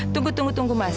tunggu tunggu tunggu mas